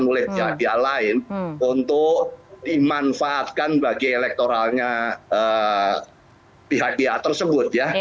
oleh pihak lain untuk dimanfaatkan bagi elektoralnya pihak pihak tersebut ya